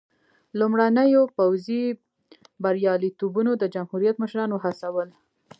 لومړنیو پوځي بریالیتوبونو د جمهوریت مشران وهڅول.